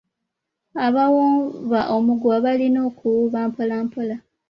Abawuuba omuguwa balina kuwuuba mpola mpola.